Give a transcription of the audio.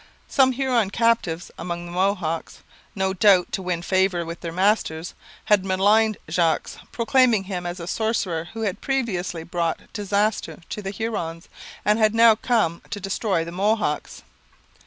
Some Huron captives among the Mohawks, no doubt to win favour with their masters, had maligned Jogues, proclaiming him a sorcerer who had previously brought disaster to the Hurons, and had now come to destroy the Mohawks.